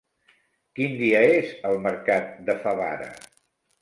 Quin dia és el mercat de Favara?